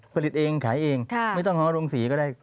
ผลิตเองขายเองไม่ต้องฮ้อโรงสีก็ได้